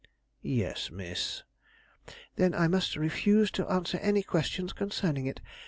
"Yes, Miss." "Then I must refuse to answer any questions concerning it.